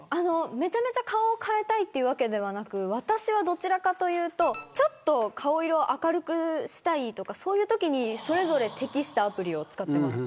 めちゃめちゃ顔を変えたいというわけではなく私は、ちょっと顔色を明るくしたいときにそれぞれ適したアプリを使ってます。